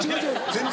全然。